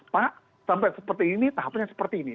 pak sampai seperti ini tahapnya seperti ini